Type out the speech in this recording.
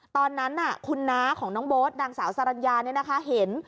ตอนนั้นน่ะคุณน้าของน้องโบ๊ทนางสาวสรัญญาเนี่ยนะคะเห็น